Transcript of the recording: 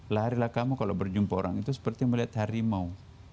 larilah kamu kalau berjumpa orang itu seperti melihat harimau